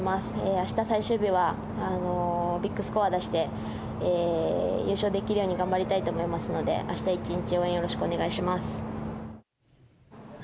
明日最終日はビッグスコアを出して優勝できるように頑張りたいと思いますので明日、１日応援よろしくお願いします。